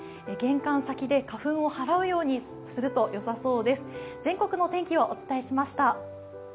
玄関先で花粉を払うようにするとよさそうです。